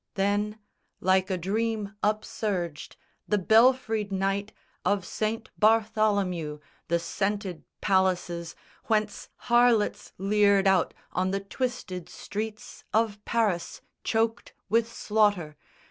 Then, like a dream up surged the belfried night Of Saint Bartholomew, the scented palaces Whence harlots leered out on the twisted streets Of Paris, choked with slaughter!